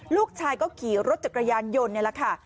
ลูกชายก็ขี่รถจักรยานยนต์นี่แหละค่ะ